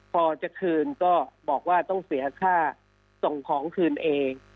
พอจะคืนก็บอกว่าต้องเสียค่าส่งของคืนเอง